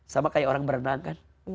sama kayak orang berenang kan